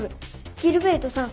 ギルベルトさん